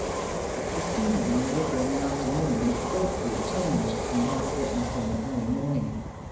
The scene on the river in the afternoon is greatly changed from that witnessed in the early morning.